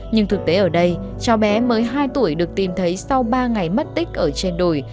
nhưng thực tế ở đây cháu bé mới hai tuổi được tìm thấy sau ba ngày mất tích ở trên đồi